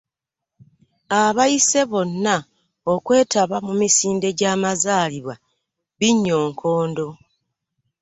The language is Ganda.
Abayise bonna okwetaba mu misinde gy'amazaalibwa Binnyonkondo.